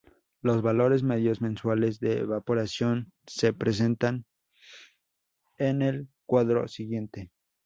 Los valores medios mensuales de evaporación se presentan en el cuadro siguiente.